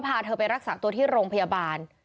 พาเธอไปรักษาตัวที่โรงพยาบาล